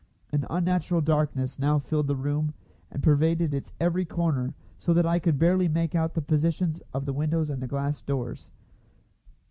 An unnatural darkness now filled the room, and pervaded its every corner so that I could barely make out the positions of the windows and the glass doors.